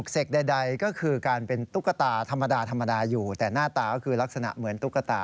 สายการบินร้านอาหารสถาบันกวดวิชา